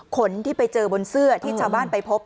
ขนที่ไปเจอบนเสื้อที่ชาวบ้านไปพบ